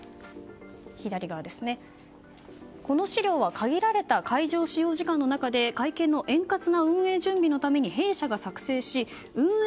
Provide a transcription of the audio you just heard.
この資料は限られた会場使用時間の中で会見の円滑な運営準備のために弊社が作成し運営